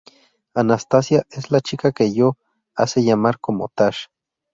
Anastasia: es la chica que Jo hace llamar como Tash.